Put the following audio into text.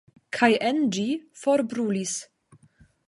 Kaj en ĝi forbrulis.